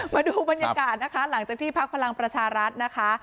มาดูบรรยากาศนะคะหลังจากที่พักพลังประชารัฐนะคะ